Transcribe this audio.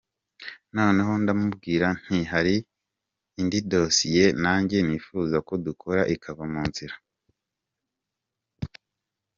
Noneho ndamubwira nti hari indi dosiye nanjye nifuza ko dukora ikava mu nzira.